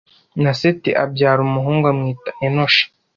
Na Seti abyara umuhungu amwita Enoshi